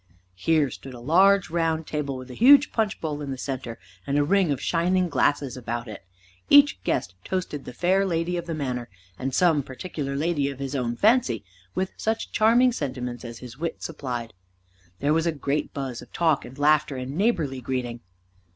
Here stood a large round table with a huge punchbowl in the centre and a ring of shining glasses about it. Each guest toasted the fair lady of the manor, and some particular lady of his own fancy, with such charming sentiments as his wit supplied. There was a great buzz of talk and laughter and neighborly greeting.